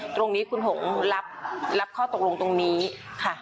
ตรงนี้คุณหงรับข้อตกลงตรงนี้ค่ะ